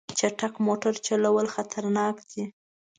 چټک موټر چلول خطرناک دي.